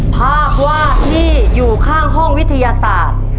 ภาพวาดที่อยู่ข้างห้องวิทยาศาสตร์